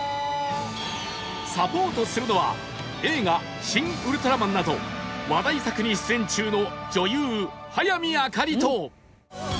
サポートするのは映画『シン・ウルトラマン』など話題作に出演中の女優早見あかりと